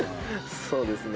そうですね。